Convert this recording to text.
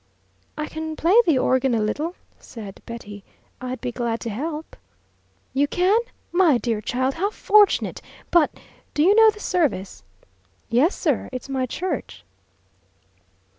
"I can play the organ a little," said Betty. "I'd be glad to help." "You can? My dear child, how fortunate! But do you know the service?" "Yes, sir, it's my church."